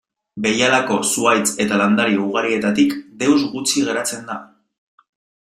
Behialako zuhaitz eta landare ugarietatik deus gutxi geratzen da.